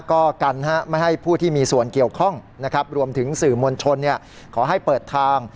ก็กันไม่ให้ผู้ที่มีส่วนเกี่ยวข้องนะครับรวมถึงสื่อมวลชนขอให้เปิดทาง